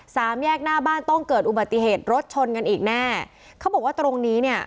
สามแยกหน้าบ้านต้องเกิดอุบัติเหตุรถชนกันอีกแน่เขาบอกว่าตรงนี้เนี่ย